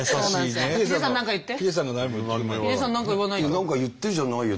「何か言って」じゃないよ。